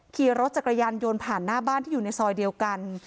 ขี่รถจักรยานยนต์ผ่านหน้าบ้านที่อยู่ในซอยเดียวกัน